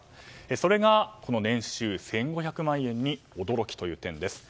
それがこの年収１５００万円に驚きという点です。